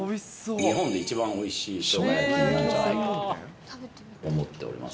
日本で一番おいしいしょうが焼きなんじゃないかと思っております。